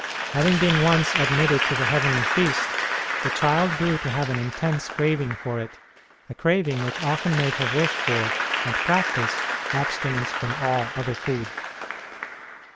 Having been once admitted to the Heavenly Feast, the child grew to have an intense craving for it, a craving which often made her wish for, and practise, abstinence from all other food.